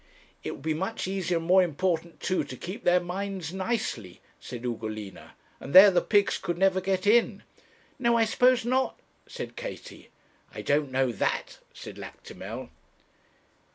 'It would be much easier, and more important too, to keep their minds nicely,' said Ugolina; and there the pigs could never get in.' 'No; I suppose not,' said Katie. 'I don't know that,' said Lactimel.